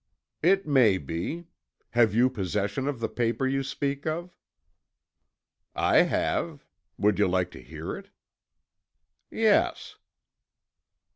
"It may be. Have you possession of the paper you speak of?" "I have. Would you like to hear it?" "Yes."